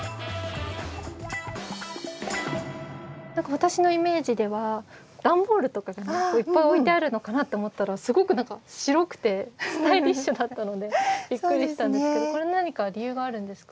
私のイメージでは段ボールとかがいっぱい置いてあるのかなと思ったらすごく何か白くてスタイリッシュだったのでビックリしたんですけどこれは何か理由があるんですか？